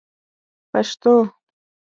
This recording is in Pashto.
پشتو